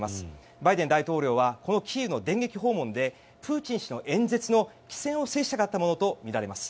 バイデン大統領はこのキーウの電撃訪問でプーチン氏の演説の機先を制したかったものと思われます。